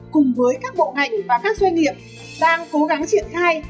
cùng với các bộ ngành và các doanh nghiệp đang cố gắng triển khai